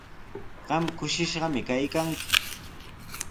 Qam kushishqami kaykanki.